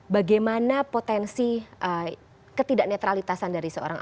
bagaimana potensi ketidak netralitasan dari seorang